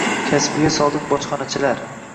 Kasbiga sodiq bojxonachilar